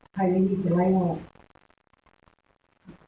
ใครที่ที่ไหมค่ะ